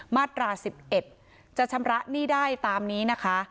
มาตรา๑๑จะชำระหนี้ได้ตามนี้นะคะ